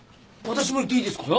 私も行っていいですか？